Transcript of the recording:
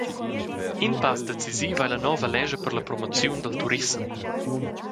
In pass decisiv ei la nova lescha per la promoziun dil turissem.